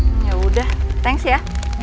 hmm yaudah thanks ya